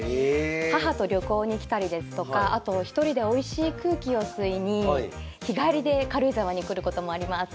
母と旅行に来たりですとかあと１人でおいしい空気を吸いに日帰りで軽井沢に来ることもあります。